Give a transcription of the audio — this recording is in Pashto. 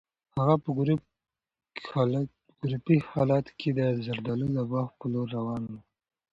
هغه په کړوپ حالت کې د زردالو د باغ په لور روان و.